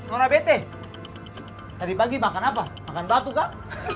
orang bete tadi pagi makan apa makan batu kak